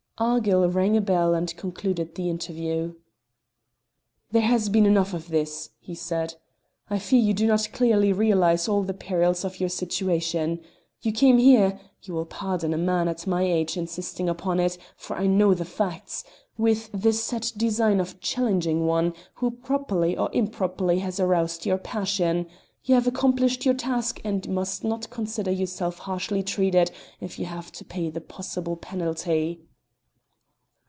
Argyll rang a bell and concluded the interview. "There has been enough of this," he said. "I fear you do not clearly realise all the perils of your situation. You came here you will pardon a man at my age insisting upon it, for I know the facts with the set design of challenging one who properly or improperly has aroused your passion; you have accomplished your task, and must not consider yourself harshly treated if you have to pay the possible penalty."